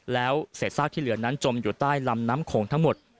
แล้วเศษซากที่เหลือนั้นจมอยู่ใต้ลำน้ำโขงทั้งหมด